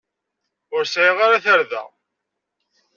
Ur sɛiɣ ara tarda.